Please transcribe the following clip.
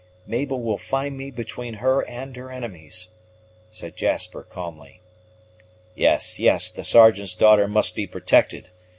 "Mabel will find me between her and her enemies," said Jasper calmly. "Yes, yes, the Sergeant's daughter must be protected.